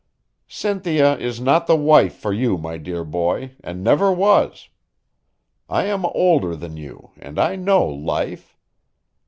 "Cynthia is not the wife for you, my dear boy, and never was. I am older than you and I know life.